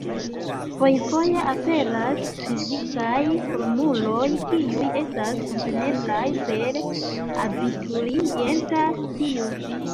Fojfoje aperas fizikaj formuloj, kiuj estas kompreneblaj per abiturienta scio.